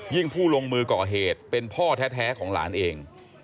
ผู้ลงมือก่อเหตุเป็นพ่อแท้ของหลานเอง